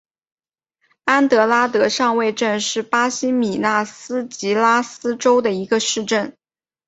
安德拉德上尉镇是巴西米纳斯吉拉斯州的一个市镇。